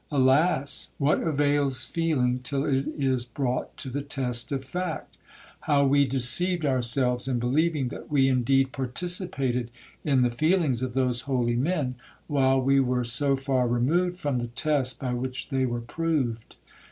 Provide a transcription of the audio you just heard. Alas! what avails feeling till it is brought to the test of fact? How we deceived ourselves, in believing that we indeed participated in the feelings of those holy men, while we were so far removed from the test by which they were proved!